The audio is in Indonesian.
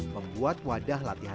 membuat wadah latihan